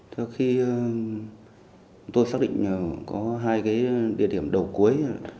trước khi tôi xác định có hai địa điểm đầu cuối